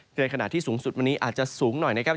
ในขณะที่สูงสุดวันนี้อาจจะสูงหน่อยนะครับ